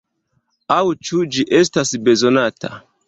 Aŭ ĉu ĝi estas bezonata?